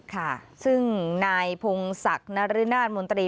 ค่ะซึ่งนายพงศักดิ์นรนาศมนตรี